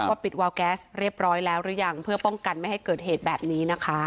ปิดวาวแก๊สเรียบร้อยแล้วหรือยังเพื่อป้องกันไม่ให้เกิดเหตุแบบนี้นะคะ